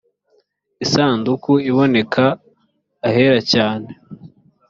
isanduku iboneka ahera cyane